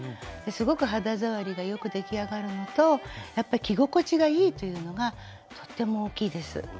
すごく肌触りが良く出来上がるのとやっぱり着心地がいいというのがとっても大きいです。